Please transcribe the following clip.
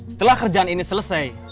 setelah kerjaan ini selesai